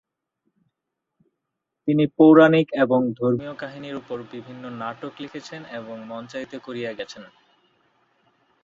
তিনি পৌরানিক এবং ধর্মীয় কাহিনীর উপর বিভিন্ন নাটক লিখেছেন এবং মঞ্চায়িত করিয়া গেছেন।